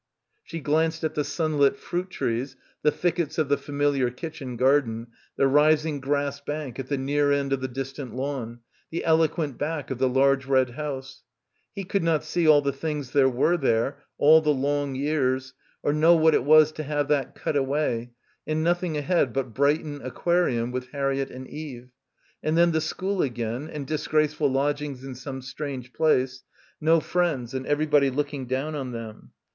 She glanced at the sunlit fruit trees, the thickets of the familiar kitchen garden, the rising grass bank at the near end of the distant lawn, the eloquent back of the large red house. He could not see all the things there were there, all the long years, or know what it was to have that cut away and nothing ahead but Brighton aqua rium with Harriett and Eve, and then the school again, and disgraceful lodgings in some strange place, no friends and everybody looking down on them.